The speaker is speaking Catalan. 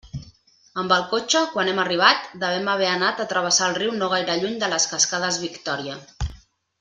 Amb el cotxe, quan hem arribat, devem haver anat a travessar el riu no gaire lluny de les cascades Victòria.